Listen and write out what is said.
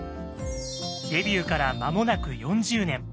デビューから間もなく４０年。